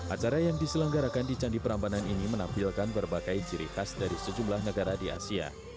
acara yang diselenggarakan di candi perambanan ini menampilkan berbagai ciri khas dari sejumlah negara di asia